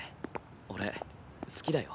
俺好きだよ。